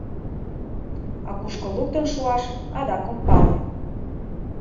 А кушко луктын шуаш — адак ом пале.